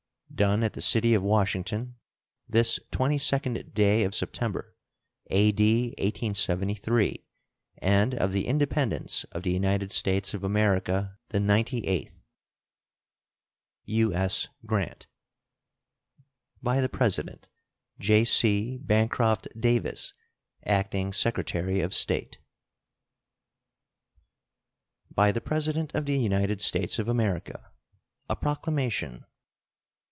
Done at the city of Washington, this 22d day of September, A.D. 1873, and of the Independence of the United States of America the ninety eighth. [SEAL.] U.S. GRANT. By the President: J.C. BANCROFT DAVIS, Acting Secretary of State. BY THE PRESIDENT OF THE UNITED STATES OF AMERICA. A PROCLAMATION.